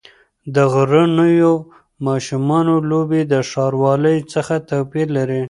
د غرنیو ماشومانو لوبې د ښاروالۍ څخه توپیر لري.